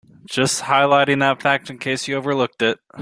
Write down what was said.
Just highlighting that fact in case you overlooked it.